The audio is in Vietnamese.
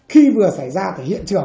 khi vừa xảy ra tại hiện trường